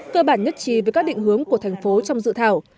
cơ bản nhất trí với các định hướng của thành phố trong dự thảo